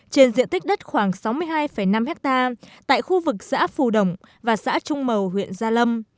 trên diện tích đất khoảng sáu mươi hai năm hectare tại khu vực xã phù đồng và xã trung mầu huyện gia lâm